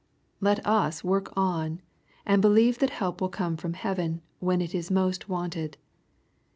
Let us work on, and believe that help will come from heaven, when it is most wanted.